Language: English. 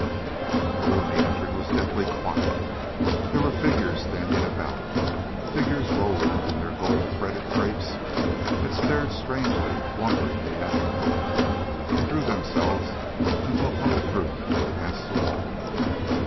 The room he entered was deathly quiet. There were figures standing about, figures robed in their gold threaded drapes, that stared strangely, wonderingly, at him, and drew themselves into a huddled group against the wall.